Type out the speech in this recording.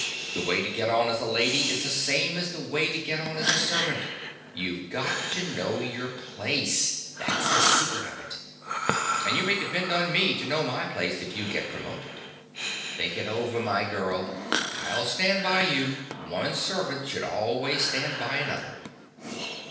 The way to get on as a lady is the same as the way to get on as a servant: you've got to know your place; that's the secret of it. And you may depend on me to know my place if you get promoted. Think over it, my girl. I'll stand by you: one servant should always stand by another.